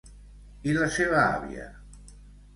I la seva àvia?